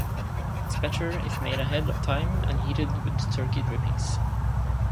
It's better if made ahead of time & heated with turkey drippings.